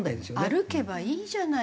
歩けばいいじゃない。